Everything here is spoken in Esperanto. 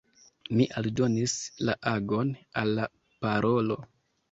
Mi aldonis la agon al la parolo.